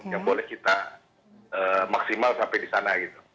yang boleh kita maksimal sampai di sana gitu